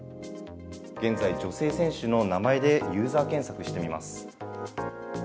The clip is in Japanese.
現在、女性選手の名前でユーザー検索してみます。